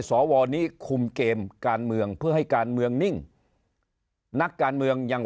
สวนี้คุมเกมการเมืองเพื่อให้การเมืองนิ่งนักการเมืองยัง